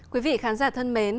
quý vị khán giả thân mến